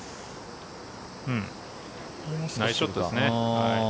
ナイスショットですね。